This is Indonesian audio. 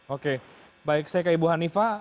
oke baik saya ke ibu hanifah